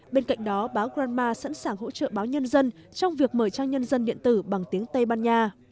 báo nhân dân trong việc mở trang nhân dân điện tử bằng tiếng tây ban nha